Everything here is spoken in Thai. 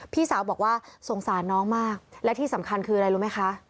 พี่สาวบอกว่าสงสารน้องมากและที่สำคัญคืออะไรรู้ไหมคะ